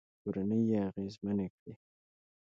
کورنۍ يې اغېزمنې کړې